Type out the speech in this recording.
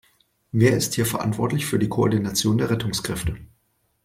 Wer ist hier verantwortlich für die Koordination der Rettungskräfte?